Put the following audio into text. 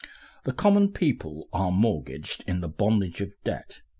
The common people are mortgaged into the bondage of debt.